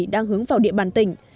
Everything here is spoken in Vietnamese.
đang hướng vào địa bàn tỉnh